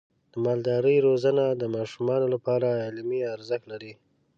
د مالدارۍ روزنه د ماشومانو لپاره علمي ارزښت لري.